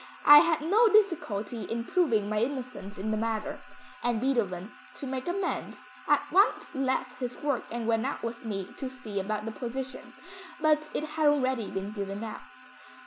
I had no difficulty in proving my innocence in the matter, and Beethoven, to make amends, at once left his work and went out with me to see about the position, but it had already been given out."